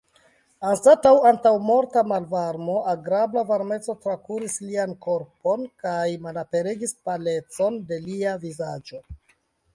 Anstataŭ antaŭmorta malvarmo agrabla varmeco trakuris lian korpon kaj malaperigis palecon de lia vizaĝo.